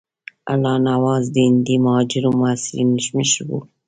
الله نواز د هندي مهاجرو محصلینو مشر وو.